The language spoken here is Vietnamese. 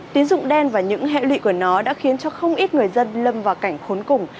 tín dụng đen và những hệ lụy của nó đã khiến cho không ít người dân lâm vào cảnh khốn cùng